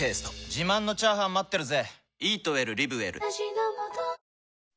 自慢のチャーハン待ってるぜ！